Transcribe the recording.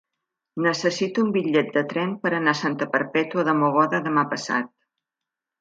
Necessito un bitllet de tren per anar a Santa Perpètua de Mogoda demà passat.